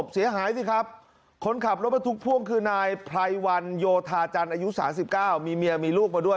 สี่ครับคนขับรถประทุกข์พ่วงคือนายพรัยวันโยทาจันทร์อายุสำสิบเก้ามีเมียมีลูกมาด้วย